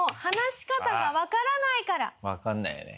わかんないよね。